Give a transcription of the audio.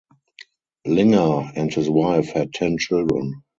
Linger and his wife had ten children.